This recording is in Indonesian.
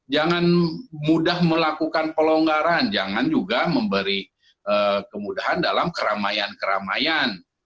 jangan mudah melakukan pelonggaran jangan juga memberi kemudahan dalam keramaian keramaian